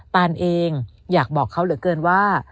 ตานเองอยากบอกเขาเหลือเกินว่า